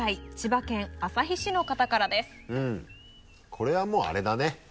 これはもうあれだね。